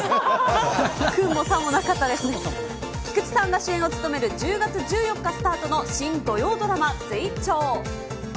Ｓｅｘｙ菊池さんが主演を務める１０月１４日スタートの新土曜ドラマ、ゼイチョー。